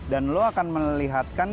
dan lo akan melihatkan